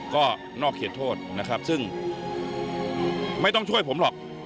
ก็นอกเขตโทษนะครับซึ่งไม่ต้องช่วยผมหรอก